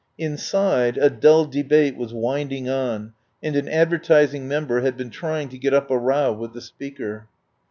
Inside a dull debate was winding on, and an advertising member had been trying to get up a row with the Speaker.